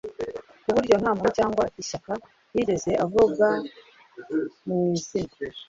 ku buryo nta muntu cyangwa ishyaka yigeze avuga mu izina,